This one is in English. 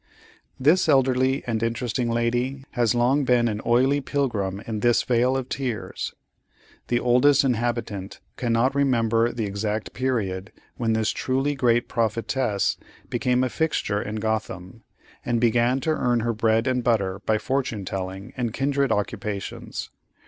This elderly and interesting lady has long been an oily pilgrim in this vale of tears. The oldest inhabitant cannot remember the exact period when this truly great prophetess became a fixture in Gotham, and began to earn her bread and butter by fortune telling and kindred occupations.